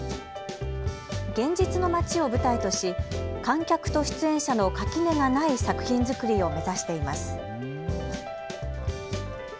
現実の街を舞台とし観客と出演者の垣根がない作品作りを目指しています。